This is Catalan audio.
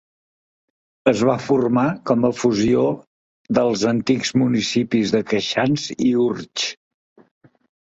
Es va formar com a fusió dels antics municipis de Queixans i d'Urtx.